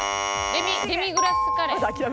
デミグラスカレー。